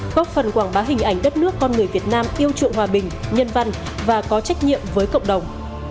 góp phần quảng bá hình ảnh đất nước con người việt nam yêu chuộng hòa bình nhân văn và có trách nhiệm với cộng đồng